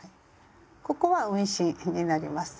ここは運針になります。